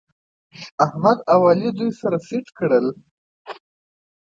احمد او علي دوی سره سټ کړل